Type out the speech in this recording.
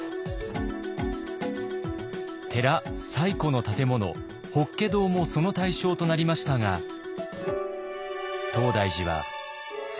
寺最古の建物法華堂もその対象となりましたが東大寺は強く難色を示します。